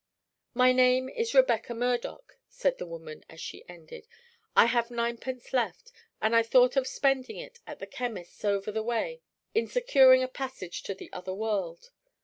"My name is Rebecca Murdoch," said the woman, as she ended. "I have nine pence left, and I thought of spending it at the chemist's over the way in securing a passage to the other world.